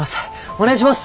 お願いします！